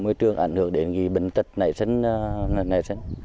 môi trường ảnh hưởng đến bệnh tật nảy sấn